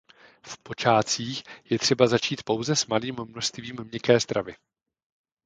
V počátcích je třeba začít pouze s malým množstvím měkké stravy.